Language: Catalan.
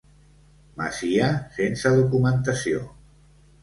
Masia sense documentació.